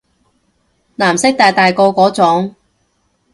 藍色大大個嗰種